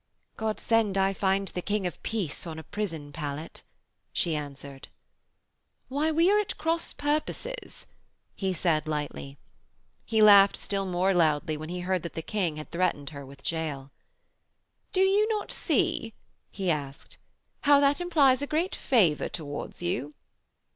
'God send I find the King of Peace on a prison pallet,' she answered. 'Why, we are at cross purposes,' he said lightly. He laughed still more loudly when he heard that the King had threatened her with a gaol. 'Do you not see,' he asked, 'how that implies a great favour towards you?'